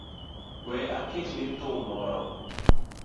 We aketni e thum moro.